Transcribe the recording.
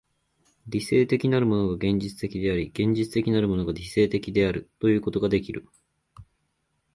理性的なるものが現実的であり、現実的なるものが理性的であるということができる。